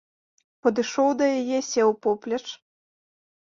Падышоў да яе, сеў поплеч.